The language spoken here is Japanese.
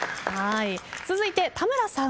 続いて田村さん。